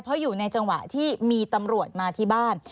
เพราะอยู่ในจังหวะที่มีตำรวจมาที่บ้าน